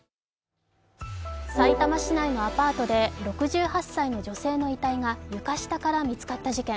さいたま市内のアパートで６８歳の女性の遺体が床下から見つかった事件。